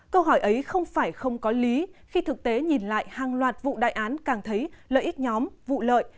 câu hỏi ấy không phải không có lý khi thực tế nhìn lại hàng loạt vụ đại án càng thấy lợi ích nhóm vụ lợi